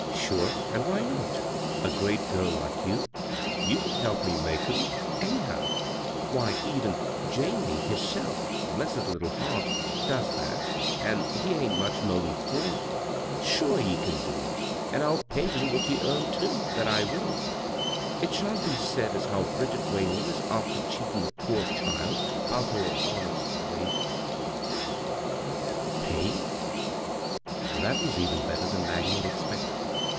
"Sure, an' why not? — a great giri like you I You could help me make 'em, any how; why, even Jamie hisself — bless his litde heart — does that, an' he ain't much more'n four. Sure ye can do it, an' I'll pay ye what ye earn, too — that I will. It shan't be said as how Bridget Whalen is after cheatin' a poor child out o' her honest wages)" ti6 bvGoog[c CROSS CURRENTS Pay ? That was even better than Maggie had expected.